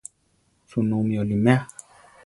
¿Sunú mi oliméa?